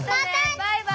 バイバイ！